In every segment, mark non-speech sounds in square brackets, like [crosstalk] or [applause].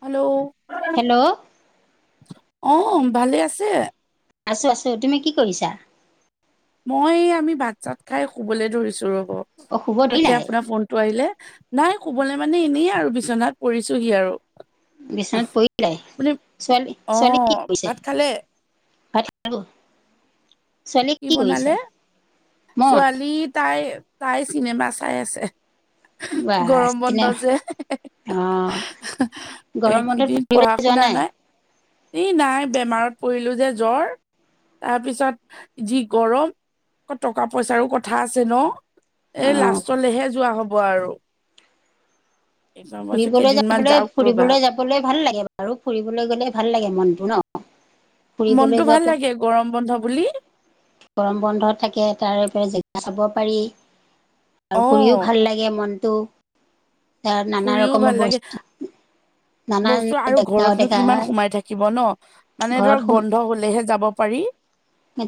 Hello? Hello? অ', ভালে আছে? আছোঁ-আছোঁ, তুমি কি কৰিছা? মই আমি ভাত চাত খাই শুবলৈ ধৰিছোঁ ৰব, অ শুব তাকে ধৰিলাই আপোনাৰ ফোনটো আহিলে। নাই শুবলে মানে এনেই আৰু বিচনাত পৰিছোহি আৰু। বিচনাত পৰিলাই, মানে অ ছোৱালী-ছোৱালী কি কৰিছে? ভাত খালে ভাত খালো [unintelligible] কি বনালে? মই ছোৱালী তাই-তাই চিনেমা চাই আছে। বা গৰম বন্ধ চিনে যে। অ [unintelligible] গৰম বন্ধত এইকেইদিন ফুৰিবলৈ পঢ়া যোৱা শুনা নাই। এই নাই বেমাৰত পৰিলোঁ যে জ্বৰ, তাৰপিছত যি গৰম। আক টকা পইচাৰো কথা আছে ন। অ এই লাষ্টলৈহে যোৱা হ'ব আৰু। এইবাৰ মই ভাবিছো ফুৰিবলৈ কেইদিনমান যাবলৈ যাওক ৰ'বা ফুৰিবলৈ যাবলৈ ভাল লাগে বাৰু, ফুৰিবলৈ গলে ভাল লাগে মনটো ন? ফুৰিবলৈ মনতটো ভাল যোৱাটো লাগে গৰম বন্ধ বুলি। গৰম বন্ধ থাকে তাৰে [unintelligible] জেগা চাব পাৰি। আৰু ফূৰিও অ' ভাল লাগে মনতটো। ফুৰিও ভাল লাগে। বস্তু নানান বস্তু আৰু জেগাও ঘৰতনো দেখা কিমান হয় সোমাই থাকিব ন? মানে ঘৰত ধৰক বন্ধ হলেহে যাব পাৰি।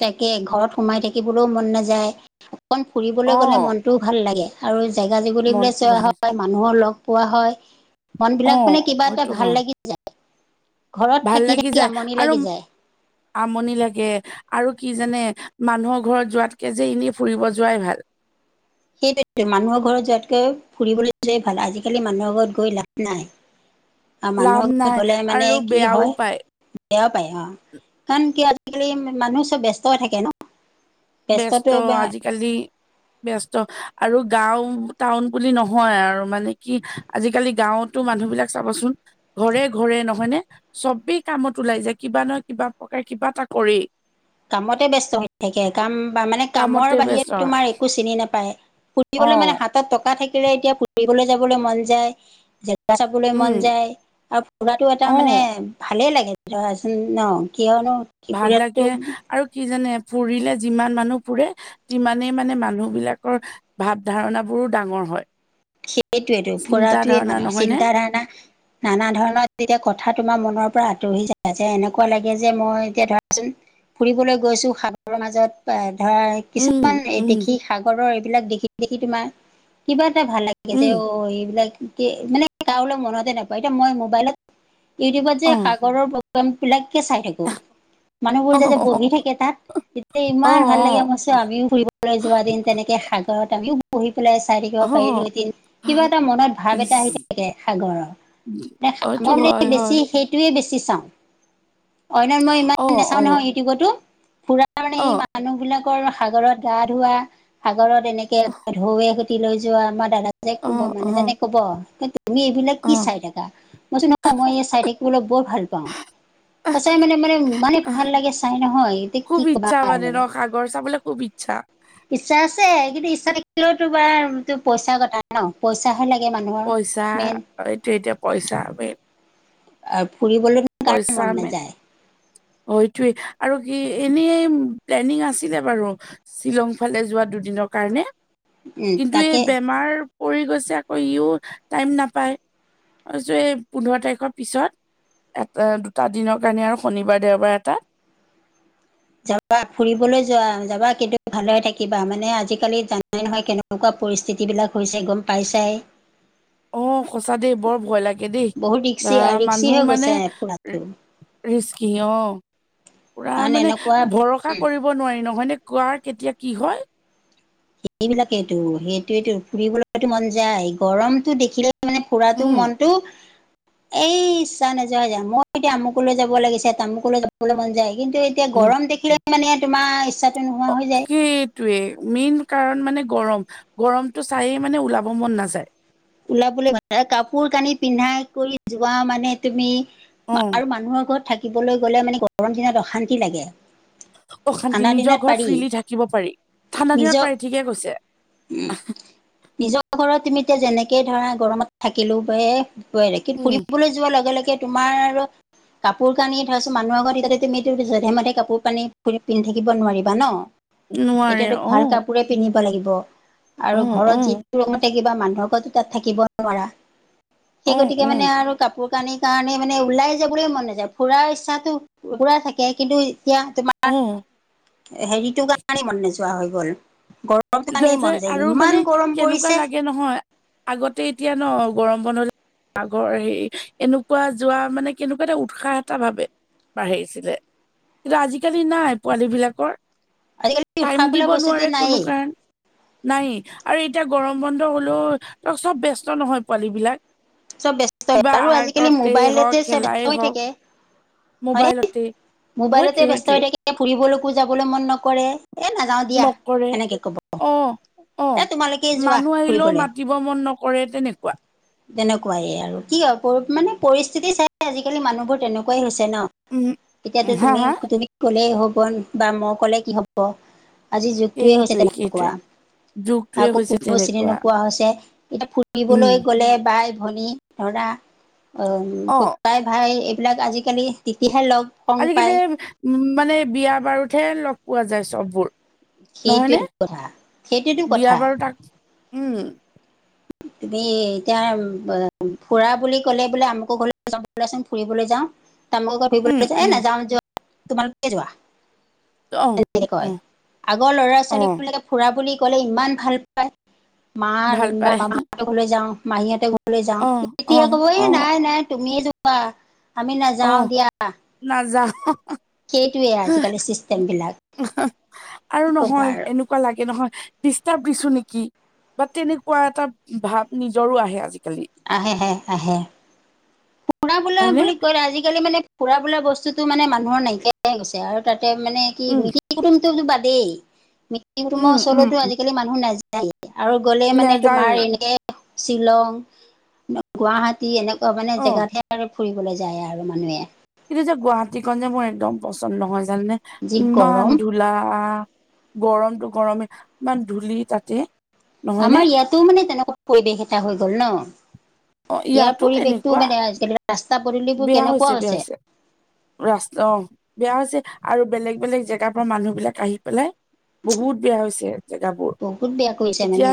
তাকে ঘৰত সোমাই থাকিবলৈও মন নাযায়, অকণ ফুৰিবলৈ গ'লে অ' মনটোও ভাল লাগে। আৰু জেগা জেগুলি বোলে মনটো ভাল চোৱা লাগে হয়, মানুহৰ লগ পোৱা হয়। মন অ' বিলাক মানে কিবা এটা হয়তো ভাল হয় লাগি যায়। ঘৰত ভাল লাগি থাকি-থাকি যায় আমনি আৰু লাগি যায়। আমনি লাগে। আৰু কি জানে মানুহৰ ঘৰত যোৱাতকে যে এনেই ফুৰিব যোৱাই ভাল। সেইটো মানুহৰ ঘৰত যোৱাতকৈ ফুৰিবলৈ যোৱাই ভাল আজিকালি মানুহৰ ঘৰত গৈ লাভ নাই। আৰু লাভ মানুহৰ ঘৰত নাই গলে মানে আৰু কি বেয়াও হয়? পায় বেয়া পায় অ'। কাৰণ কিয় আজিকালি মানুহ চব ব্যস্ত হৈ থাকে ন? ব্যস্ত ব্যস্তটো আজিকালি [inaudible] ব্যস্ত আৰু গাঁও টাউন বুলি নহয় আৰু মানে কি, আজিকালি গাঁৱত তো মানুহ বিলাক চাবচোন ঘৰে-ঘৰে নহয় নে? চবেই কামত ওলাই যায় কিবা নহয় কিবা প্ৰকাৰে কিবা এটা কৰেই। কামতে ব্যস্ত হয়। তাকে, কাম বা মানে কামৰ কামতে বাহিৰে ব্যস্ত হয় তোমাৰ একো চিনি নাপায়। অ ফুৰিবলৈ মানে হাত তাত টকা থাকিলে এতিয়া ফুৰিবলৈ যাবলৈ মন যায়। ফুা চাবলৈ মন উম যায় আৰু ফুৰাটো এটা মানে অ ভালে লাগে। [unintelligible] ন কিয়নো ভাল লাগে ফুৰাটো আৰু কি জানে ফুৰিলে যিমান মানুহ ফুৰে, সিমানেই মানে মানুহ বিলাকৰ ভাৱ ধাৰণাবোৰো ডাঙৰ হয়। সেইটোৱেটো, চিন্তা ফুৰাটোৱে ধাৰণা মানুহৰ নহয় নে চিন্ত ধাৰণা নানা ধৰণৰ তেতিয়া কথা তোমাৰ মনৰ পৰা আঁতৰি যায় যে এনেকুৱা লাগে যে মই এতিয়া ধৰাচোন ফুৰিবলৈ গৈছোঁ সাগৰৰ মাজত ধৰা উম কিছুমান এই উম দেখি সাগৰৰ এইবিলাক দেখি-দেখি তোমাৰ কিবা এটা ভাল লাগে। উম [unintelligible] অ', এইবিলাক মানে কাৰোলে মনতে নপৰে, এতিয়া মই মোবাইলত ইউটিউবত যে অ সাগৰৰ প্ৰগ্ৰামবিলাককে চাই থাকোঁ। অ মানুহবোৰ যে বহি থাকে তাত, তেতিয়া অ ইমান ভাল লাগে মই কৈছো আমিও ফুৰিবলৈ যোৱা দিন তেনেকে সাগৰত আমিও বহি পেলাই চাই অ থাকিব পাৰিলো অ [unintelligible] কিবা এটা মনত ভাৱ এটা আহি ইচ থাকে সাগৰৰ, মানে অটো মই মানে হয়, বেছি হয়। সেই সেইটোৱে বেছি চাওঁ, অন্য মই ইমান অ', নাচাওঁ নহয় অ', ইউটিউবতো, পুৰা তাৰ মানে সেই অ', মানুহ বিলাকৰ সাগৰত গা ধোৱা, সাগৰত এনেকে ঢৌৱে তি লৈ যোৱা আমাৰ দাদা [unintelligible] ক'ব, অ', অ', মানুহজনে ক'ব, এই তুমি এইবিলাক কি অ', চাই থাকা। কৈছো নহয়, মই এই চাই থাকিবলৈ বৰ ভাল পাওঁ। আহ, সচাই মানে- মানে ইমানেই আহ, ভাল লাগে চাই নহয়, এতিয়া খুব কি ক'বা ইচ্ছা মানে আৰু। ন সাগৰ চাবলে খুব ইচ্ছা। ইচ্ছা আছে, কিন্তু ইচ্ছা থাকিলেও তো বাৰ তোৰ পইচা কথা ন, পইচাহে লাগে মানুহৰ মেইন। এইটোয়ে এতিয়া পইচা মেইন। আৰু ফুৰিবলে পইচা মে অ', এইটোৱেই আৰু কি এনেই প্লেনিং আছিলে বাৰু। শ্বিলং ফালে যোৱা দুদিনৰ কাৰণে, উম কিন্তু এই তাকে বেমাৰ পৰি গৈছে আকৌ ইও টাইম নাপায়। [unintelligible] এই পোন্ধৰ তাৰিখৰ পিছত, এটা দুটা দিনৰ কাৰণে আৰু শনিবাৰ দেওবাৰ এটাত যাবা ফুৰিবলৈ যোৱা যাবা, কিন্তু ভালে থাকিবা মানে আজিকালি জানাই নহয় কেনে নেকুৱা পৰিস্থিতিবিলাক হৈছে গম পাইছাই। অ', সঁচা দেই, বৰ ভয় লাগে দেই, বহুত বা ৰিক্সি ৰিক্সি মানুহ হৈ মানে গৈছে ফুৰাটো। ৰিস্কি অ', পুৰা কাৰণ মানে এনেকুৱা ভৰসা কৰি কৰিব নোৱাৰি নহয় নে, কাৰ কেতিয়া কি হয়। সেইবিলাকেইটো সেইটোৱেটো, ফুৰিবলেতো মন যায়, গৰমটো দেখিলে মানে ফুৰাটো উম মন তো এই ইচ্ছা নোযোৱা হৈ যায়, মই এতিয়া আমুকলৈ যাব লাগিছে, তামুকলৈ যাব লে মন যায়, কিন্তু এতিয়া উম গৰম দেখিলে মানে তোমাৰ ইচ্ছা অ', কি টোয়ে, মেইন কাৰণ মানে গৰম, গৰমটো চায়ে মানে ওলাব মন নাযায়। ওলাবলে [unintelligible] আৰু কাপোৰ কানি পিন্ধাই কৰি যোৱা মানে তুমি অ আৰু মানুহৰ ঘৰত থাকিবলৈ গ'লে মানে গৰম দিনত অশান্তি লাগে। অশান্তি ঠাণ্ডা নিজৰ দিনত ঘৰত পাৰি ফ্ৰীলি থাকিব পাৰি, ঠাণ্ডা দিনত নিজৰ পাৰি ঠিকে কৈছে। নিজৰ ঘৰত তুমি এতিয়া যেনেকে ধৰা গৰমত থাকিলো এ [unintelligible] উম ফুৰিবলৈ যোৱাৰ লগে- লগে তোমাৰ আৰু কাপোৰ কানি ধৰাছোন মানুহ আগত এতিয়াতে তুমি এইটো জধে- মধে কাপোৰ কানি পিন্ধি থাকিব নোৱাৰিবা ন। নোৱাৰে এতিয়াটো অ ভাল কাপোৰে পিন্ধিব লাগিব অ আৰু ঘৰত অ যিটো [unintelligible] থাকিবা, মানুহৰ আগত তাত থাকিব নোৱাৰা। সেই অ গতিকে অ মানে আৰু কাপোৰ কানিৰ কাৰণে মানে ওলাই যাবলেই মন নাযায়, ফুুৰাৰ ইচ্ছাটো পুৰা থাকে, কিন্তু এতিয়া তোমাৰ অ'। হেৰিটোৰ কাৰনেই মন নোযোৱা হৈ গ'ল, গৰ [unintelligible] যে আৰু মানে কেনেকুৱা লাগে নহয়, আগতে এতিয়া ন গৰম বন্ধ আগৰ হেৰি এনেকুৱা যোৱা মানে কেনেকুৱা এটা উৎসাহ এটা ভাবে বাঢ়িছিলে। কিন্তু আজিকালি নাই পোৱালী বিলাকৰ আজিকালি উশাহ টাইম বোলা দিব বস্তুটো নোৱাৰে কোনো নায়েই কাৰণ নাই আৰু এতিয়া গৰম বন্ধ হলেও চব ব্যস্ত নহয় পোৱালী বিলাক? চব ব্যস্তয়ে কিবা আৰু আজিকালি আৰ্টতে হওক মোবাইলতে চব খেলাই [inaudible] হৈ হওক থাকে। হয়নে? মোবাইলতে সেইটোৱে মোবাইলতে বস্ত সেইটোৱে হৈ থাকে ফুৰিবলৈকো যাবলৈ মন নকৰে। এ ন নাযাওঁ দিয়া, নকৰে এনেকে কব। অ এ তোমালোকেই যোৱা ফুৰিবলৈ। শুব মন নকৰে তেনেকুৱা। তেনেকুৱাইে আৰু কি হয় মানে পৰিস্থিতি চাই আজিকালি মানুহবোৰ তেনেকুৱাই হৈছে ন? উম এতিয়াতো হা হা তুমি-তুমি ক'লে হ'ব বা মই ক'লে কি হ'ব। আজিৰ যুগটোৱে হৈছে সেইটোৱে তেনেকুৱা, সেইটোৱে যুগটোৱে আকৌ হৈছে কোনো কাকো চিনি তেনেকুৱা নোপোৱা হৈছে। এতিয়া উম ফুৰিবলৈ গ'লে বাই ভনী ধৰা, উম অ তাই-ভাই এইবিলাক আজিকালি টিকিহে লগ। সংগ আজিকালি পায় উম, মানে বিয়া বাৰুতহে লগ পোৱা যায় চববোৰ। নহয়নে? সেইটোৱেটো কথা সেইটোৱেতো বিয়া কথা বাৰু তাক, উম। তুমি এতিয়া ফুৰা বুলি ক'লে বোলে আমুকো ঘৰলৈ যাব বলাচোন ফুৰিবলৈ যাওঁ [unintelligible] ফুৰিবলৈ উম লৈকে এহ উম নাযাও যোৱা, তোমালোকে যোৱা। অ অ কয়। আগৰ অ লৰা-ছোৱালী বোৰে ফুৰা বুলি ক'লে ইমান ভাল মান ভাল বা পায় মামাহঁতৰ ঘৰলৈ যাও, মাহীহঁতৰ ঘৰলৈ ঘৰলৈ যাও, অ অ তেতিয়া ক'ব অ এ নাই-নাই তুমিয়ে যোৱা, আমি অ নাযাও দিয়া। নাযাও। সেইটোৱে আজিকালি চিষ্টেম বিলাক। আৰু কি ক'বা নহয় আৰু এনেকুৱা লাগে নহয়, ডিষ্টাৰ্ব দিছো নেকি? বা তেনেকুৱা এটা ভাব নিজৰো আহে আজিকালি। আহে হে আহে। ফুৰা বোলা হয়নে বুলি কয়লে আজিকালি মানে ফুৰা বোলা বস্তুটো মানে মানুহৰ নাইকিয়াই হৈ গৈছে, আৰু তাতে মানে কি উম মিতিৰ কুটুম টো বাদেই মিতিৰ কুটুমৰ উম উম ওচৰলেটো উম, আজিকালি মানুহ নাযায়। আৰু গ'লে মানে তোমাৰ নেযায়ে এনে শ্বিলং গুৱাহাটী এনেকুৱা মানে অ জেগাতহে আৰু ফুৰিবলে যায় আৰু মানুহে। কিন্তু যে গুৱাহাটীখন যে মোৰ একদম পচন্দ নহয় জানে নে? যি গৰম ইমান দূৰ ধোলা, গৰমতটো গৰমে ইমান ধূলি তাতে। নহয়নে আমাৰ ইয়াতো মানে তেনেকুৱা পৰিৱেশ এটা হৈ গ'ল ন? অ ইয়াৰ ইয়াতো পৰিৱেশতো তেনেকুৱা মানে আজিকালি ৰাস্তা পদূলিবোৰ কেনেকুৱা হৈছে। ৰাস্তা অ', বেয়া হৈছে আৰু বেলেগ-বেলেগ জেগাৰ পৰা মানুহ বিলাক আহি পেলাই বহুত বেয়া হৈছে জেগাবোৰ। বহুত বেয়া কৰিছে মানে এতিয়া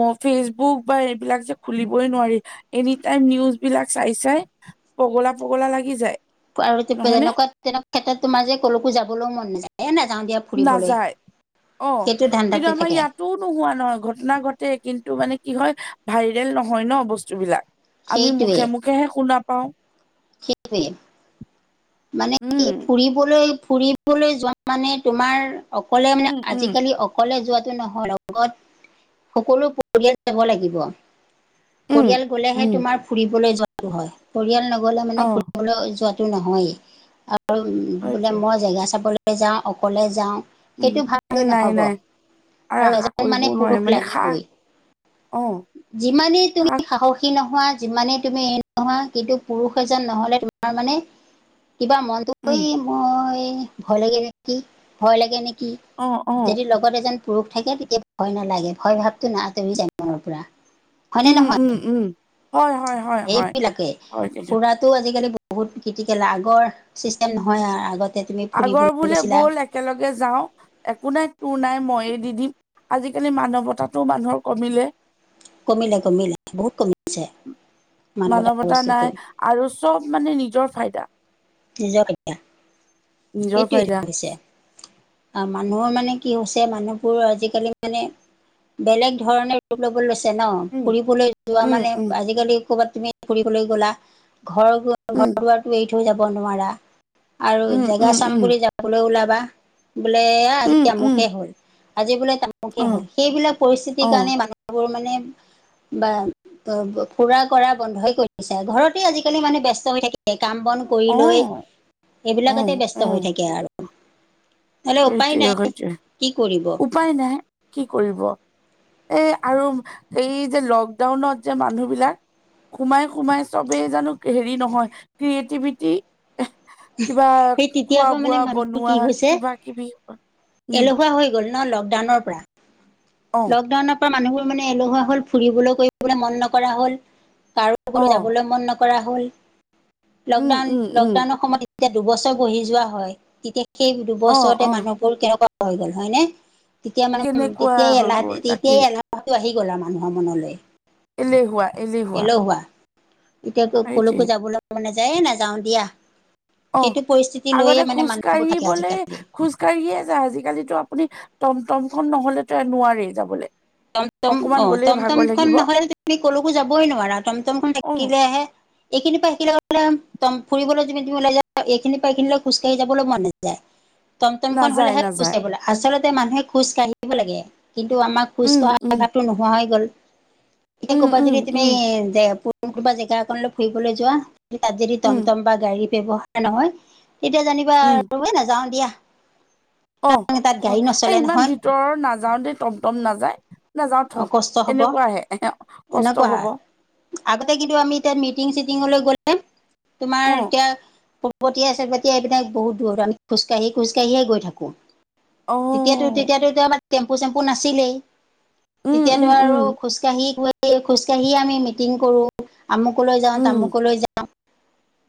ম ফেচবুক বা এইবিলাক যে খুলিবই নোৱাৰি এনিটাইম নিউজ বিলাক চাই-চাই, পগলা-পগলা লাগি যায়। আৰু নহয়নে তেনেকুৱা তেনেকা ক্ষেত্ৰত তোমাৰ যে কলৈকো যাবলৈও মন নাযায়, এ নাযাওঁ দিয়া ফুৰিবলৈ। নাযায়, অ'। সেইটো কিন্তু ধান্দাতে আমাৰ থাকে ইয়াত টো নোহোৱা নহয় ঘটনা ঘটে কিন্তু মানে কি হয়, ভাইৰেল নহয় ন বস্তুবলাক। আমি সেইটোৱে মুখে-মুখে হে শুনা পাওঁ। সেইটোৱে, মানে কি ফুৰি উম ফুৰিবলৈ-ফুৰিবলৈ যোৱা মানে তোমাৰ অকলে মানে উম উম আজিকালি অকলে যোৱটো নহয়, লগত সকলো পৰিয়াল যাব লাগিব। উম পৰিয়াল গলেহে উম তোমাৰ ফুৰিবলৈ যোৱা টো হয়, পৰিয়াল নগলে মানে অ ফুৰিবলৈ যোৱা টো নহয়েই। আৰু বোলে সেইটোৱে মই জেগা চাবলে যাওঁ অকলে যাওঁ উম সেইটো এ [unintelligible] নাই নহব, নাই আৰু আশা এজন কৰিবও মানে নোৱাৰি পুৰুষ মানে সাহ লাগিবই। অ যিমানেই তুমি সাহ সাহস কি নোহোৱা যিমানেই তুমি এৰি নোহোৱা কিন্তু পুৰুষ এজন নহলে তোমাৰ মানে কিবা মনটো উম মই ভয় লাগে নেকি, ভয় লাগে নেকি? অ অ যদি লগত এজন পুৰুষ থাকে তেতিয়া ভয় নালাগে, ভয় ভাৱটো ন আঁতৰি যায় মনৰ পৰা। হয়নে নহয় উম-উম-উম, হয়-হয়-হয়-হয়-হয় [unintelligible] তাতো আজিকালি বহুত ক্ৰিটিকেল আগৰ চিষ্টেম নহয় আৰ আগতে তুমি আগৰ ফুৰিবলে বোলে গৈছিলা ব'ল একেলগে যাওঁ একো নাই তোৰ নাই মইয়ে দি দিম, আজিকালি মানৱতাটো মানুহৰ কমিলে। কমিলে-কমিলে, বহুত কমিছে মানৱত মানৱতা বস্তুটো। নাই আৰু চব মানে নিজৰ ফাইদা। নিজৰ [unintelligible] নিজৰ সেইটোৱেটো ফাইদা হৈছে। মানুহৰ মানে কি হৈছে মানুহবোৰ আজিকালি মানে বেলেগ ধৰণে লব লৈছে ন? উম ফুৰিবলৈ যোৱা উম মানে উম আজিকালি ক'ৰবাত তুমি ফুৰিবলৈ গলা, ঘৰ-ঘৰ উম দুৱাৰটো এৰি থৈ যাব নোৱাৰা। আৰু উম জেগা উম চাম বুলি যাবলৈ ওলাবা, বোলে আজি উম উম আমুকে উম হ'ল। আজি বোলে তামুকে অ হল। সেইবিলাক পৰিস্থিতিৰ অ কাৰণে মানুহবোৰ মানে বা ত ফুৰা কৰা বন্ধই কৰি দিছে। ঘৰতে আজিকালি মানে ব্যস্ত হৈ থাকে। কাম বন কৰি লৈ অ অ এইবিলাকতে ব্যস্ত হৈ থাকে আৰু। নহ'লে উপায় নাই সেইটোৱে-সেইটোৱে, কি কৰিব উপায় নাই, কি কৰিব? এ আৰু এই যে লকডাউনত যে মানুহ বিলাক সোমাই-সোমাই চবেই জানো হেৰি নহয়, ক্ৰিয়েটিভিটি কিবা খোৱা বোৱা বনোৱা, কিবা কিবি উম এলহুৱা হৈ গ'ল ন? লকডাউনৰ পৰা। অ'। লকডাউনৰ পৰা মানুহবোৰ মানে এলহুৱা হ'ল, ফুৰিবলৈ কৰিবলে মন নকৰা হ'ল। অ কাৰো যাবলৈ মন নকৰা হল, উম উম উম লকডাউন-লকডাউনৰ সময়ত যেতিয়া দুবছৰ বহি যোৱা হয়। তেতিয়া সেই অ দুবছৰতে অ মানুহ বোৰ কেনেকুৱা হৈ গ'ল হয়নে? তেতিয়া মানে কেনেকুৱা হৈ গ'ল তাকেই [unintelligible] টো আহি গ'ল আৰু মানুহৰ মনলৈ। এলেহুৱা-এলেহুৱা। এলেহুৱা। এতিয়া ত কলৈকো যাবলে মন নাযায় এ নাযাওঁ দিয়া। অ সেইটো পৰিস্থিতি লৈয়ে মানে মানুহবোৰ থাকে আজিকালি। হাৰিয়ে যায়। আজিকালি ত আপুনি টমটম খন নহলেতো নোৱাৰি যাবলে। টমটম অকমান অ', গ'লেই টমটম ভাগৰ খন লাগিব নহলে তুমি ক'লৈকো যাবই নোৱাৰা। টমটম খন অ থাকিলেহে এইখিনি পা সেইখিলে তম ফুৰিবলৈ যদি ওলাই যায় এইখিনি পাইখিনিলৈ খোজকাঢ়ি যাবলৈ মন নাযায়। [inaudible] টমটমখন নাযায় হ'লেহে। নাযায় [unintelligible] আচলতে মানুহে খোজ কাঢ়িব লাগে কিন্তু আমাক খোজ উম উম কঢ়া টো নোহোৱা হৈ গল। উম কবাতে উম যদি তুমি উম কোন কোনোবা জেগা অকনলৈ ফুৰিবলৈ যোৱা? তাত যদি উম টমটম বা গাড়ীতে ব নহয়? তেতিয়া জানিবা উম আৰু এ নাযাওঁ দিয়া। অ', তাত হয়। গাড়ী এ নচলে ইমান নহয় ভিতৰৰ নাযাও দেই টমটম নাযায়। নাযাও থ। কষ্ট হ'ব এনেকুৱাহে, কষ্ট এনেকুৱা হয়। হব। আগতে কিন্তু আমি এতিয়া মিটিং চিটিঙলৈ গ'লে, তোমাৰ অ এতিয়া গতীয়া চে গতিয়াই [unintelligible] বহুত দৰ আমি খোজকাঢ়ি-খোজকাঢ়িয়ে গৈ থাকোঁ। অ'। তেতিয়াতো-তেতিয়াতো আমাৰ টেম্পু চেম্পু নাছিলেই, উম তেতিয়াতো উম উম আৰু খোজ খোজকাঢ়ি-খোজকাঢ়ি আমি মিটিং কৰোঁ, আমুকলৈ যাওঁ, উম তামুকলৈ যাওঁ।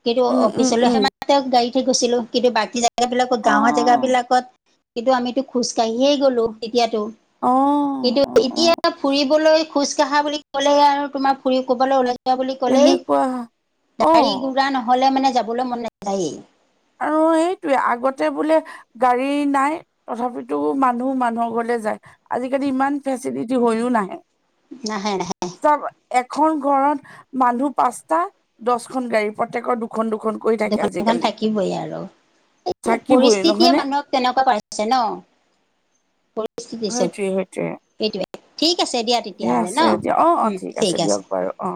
কিন্তু উম উম অফিচলে সে উম মাত্ত গাড়ীতহে গৈছিলোঁ। কিন্তু বাকী য বিলাকত অ গাঁৱৰ জেগা বিলাকত কিন্তু আমিতো খোজকাঢ়িয়েই গলোঁ তেতিয়াতো। অ কিন্তু অ অ এতিয়া ফুৰিবলৈ খোজ কঢ়া বুলি ক'লে আৰু তোমাৰ ফুৰি ক'বলৈ ওলাই বুলি কলেই তেনেকুৱা অ গাড়ী গুৰা নহলে মানে যাবলৈ মন নাযায়েই। আৰু এইটোৱে। আগতে বোলে গাড়ী নাই তথাপিতো মানুহ মানুহৰ ঘৰলে যায়। আজিকালি ইমান ফেচিলিটি হৈও নাহে। নাহে-নাহে। চব এখন ঘৰত মানুহ পাঁচটা, দচখন গাড়ী। প্ৰত্যেকৰ দুখন-দুখন দুখন-দুখন থাকিবই আৰু। সেইটোৱে থাকিবই পৰিস্থিতিয়ে নহয়নে মানুহক তেনেকুৱা কৰাইছে ন? পৰিস্থিতি চব সেইটোৱে-সেইটোৱে। সেইটোৱে ঠিক আছে দিয়া তেতিয়াহ'লে ন? দিয়া অ অ উম, ঠিক আছে। দিয়ক বাৰু অ